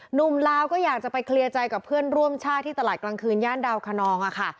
ลาวก็อยากจะไปเคลียร์ใจกับเพื่อนร่วมชาติที่ตลาดกลางคืนย่านดาวคนนองค่ะ